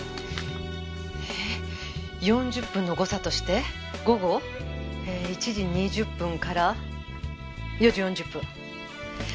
えっ４０分の誤差として午後１時２０分から４時４０分。